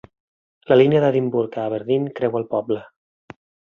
La línia d'Edimburg a Aberdeen creua el poble.